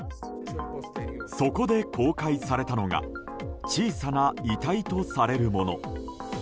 そこで公開されたのが小さな遺体とされるもの。